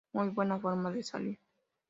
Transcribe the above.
Muy buena forma de salir.